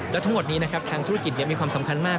และทั้งหมดนี้นะครับทางธุรกิจมีความสำคัญมาก